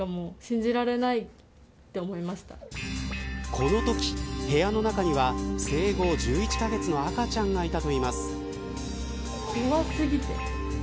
このとき、部屋の中には生後１１カ月の赤ちゃんがいたといいます。